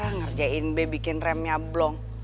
ngerjain b bikin remnya blong